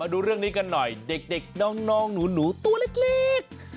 ดูเรื่องนี้กันหน่อยเด็กน้องหนูตัวเล็ก